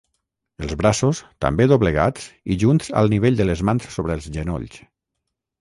Els braços, també doblegats i junts al nivell de les mans sobre els genolls.